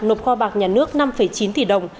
nộp kho bạc nhà nước năm chín tỷ đồng